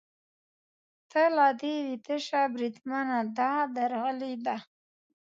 ته له دې ویده شه، بریدمنه، دا درغلي ده.